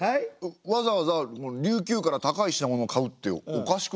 わざわざ琉球から高い品物を買うっておかしくないですか？